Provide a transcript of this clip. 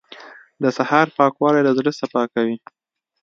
• د سهار پاکوالی د زړه صفا کوي.